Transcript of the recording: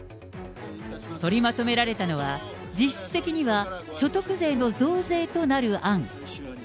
取りまとめられたのは、実質的には所得税の増税となる案。